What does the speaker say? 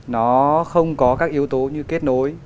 nó không có các yếu tố như kết nối